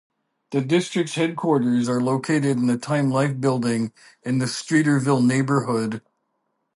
The district's headquarters are located in the Time-Life Building in the Streeterville neighborhood.